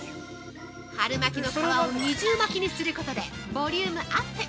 ◆春巻きの皮を二重巻きにすることでボリュームアップ。